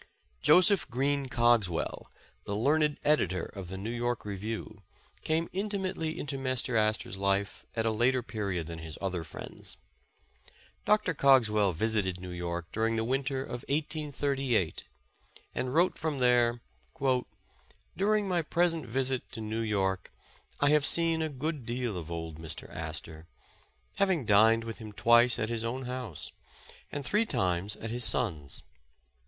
Joseph Green Cogswell, the learned editor of the ''New York Review," came intimately into Mr. Astor 's life at a later period than his other friends. Dr. Cogs well visited New York during the winter of 1838, and wrote from there :'' During my present visit to New York, I have seen a good deal of old Mr, Astor, having dined with him twice at his own house, and three times at his son's.